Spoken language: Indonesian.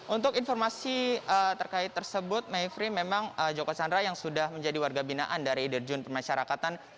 untuk informasi terkait tersebut mayfrey memang joko chandra yang sudah menjadi warga binaan dari derjun permasyarakatan